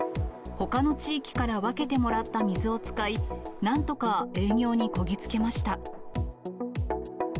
ほかの地域から分けてもらった水を使い、なんとか営業にこぎ着けました。